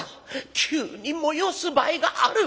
急にもよおす場合がある。